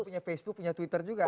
punya facebook punya twitter juga